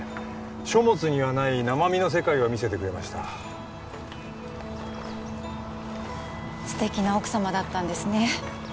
書物にはない生身の世界を見せてくれました素敵な奥様だったんですね